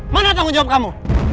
mana tanggung jawab kamu